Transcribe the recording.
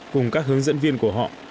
cùng các hướng dẫn viên của họ